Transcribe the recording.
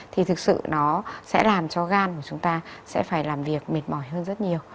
thì thực sự nó sẽ làm cho gan của chúng ta sẽ phải làm việc mệt mỏi hơn rất nhiều